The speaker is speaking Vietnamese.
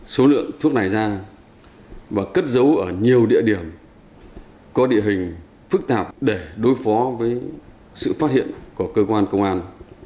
số lượng thuốc này ra và cất giấu ở nhiều địa điểm có địa hình phức tạp để đối phó với sự phát hiện của cơ quan công an